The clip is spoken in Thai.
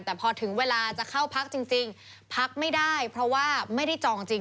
แต่พอถึงเวลาจะเข้าพักจริงพักไม่ได้เพราะว่าไม่ได้จองจริง